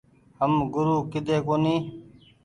هم گورو ڪيۮي ڪونيٚ ۔